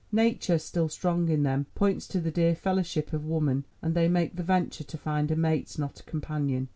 Nature, still strong in them, points to the dear fellowship of woman, and they make the venture to find a mate, not a companion.